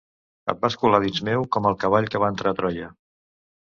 Et vas colar dins meu com el cavall que va entrar a Troia.